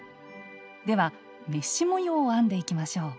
ではメッシュ模様を編んでいきましょう。